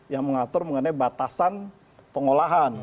yang mengatur mengenai batasan pengolahan